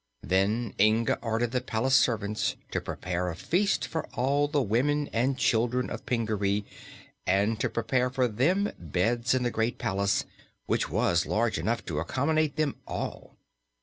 Then Inga ordered the palace servants to prepare a feast for all the women and children of Pingaree and to prepare for them beds in the great palace, which was large enough to accommodate them all.